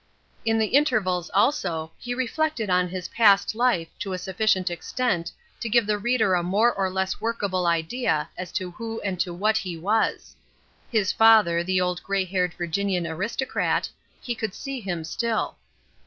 In the intervals, also, he reflected on his past life to a sufficient extent to give the reader a more or less workable idea as to who and to what he was. His father, the old grey haired Virginian aristocrat, he could see him still.